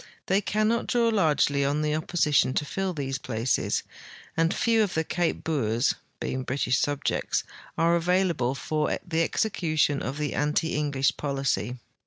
They cannot draw largely on the opposition to fill these places, and few of the Cape Boers, being British subjects, are available for the execution of the anti English policy.